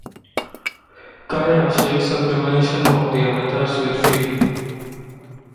Kyra shares her premonition of the Avatars with Phoebe.